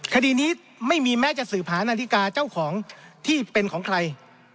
คดีนี้ไม่มีแม้จะสืบหานาฬิกาเจ้าของที่เป็นของใคร